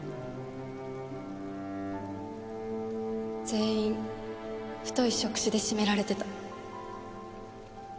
全員太い触手で絞められてた。